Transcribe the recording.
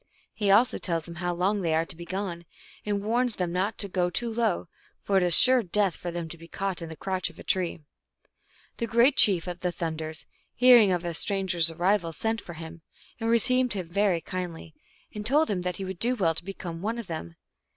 He also tells them how long they are to be gone, and w r arns them not to go too low, for it is sure death for them to be caught in the crotch of a tree. The great chief of the Thunders, hearing of the stranger s arrival, sent for him, and received him very kindly, and told him that he would do well to become one of them.